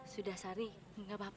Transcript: sudah sari nggak apa apa